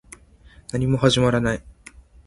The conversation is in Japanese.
何も始まらない